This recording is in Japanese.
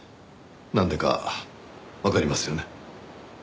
なんでかわかりますよね？